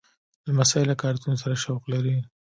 لمسی له کارتون سره شوق لري.